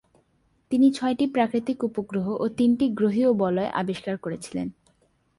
তিনি ছয়টি প্রাকৃতিক উপগ্রহ ও তিনটি গ্রহীয় বলয় আবিষ্কার করেছিলেন।